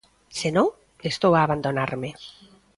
Se non, estou a abandonarme.